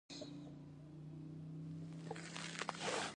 په باران کښېنه، خوند اخله.